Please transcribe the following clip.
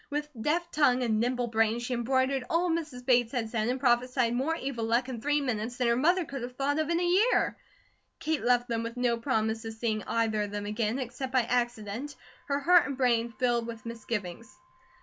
With deft tongue and nimble brain, she embroidered all Mrs. Bates had said, and prophesied more evil luck in three minutes than her mother could have thought of in a year. Kate left them with no promise of seeing either of them again, except by accident, her heart and brain filled with misgivings.